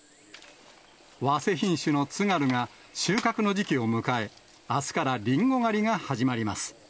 早生品種のつがるが、収穫の時期を迎え、あすからりんご狩りが始まります。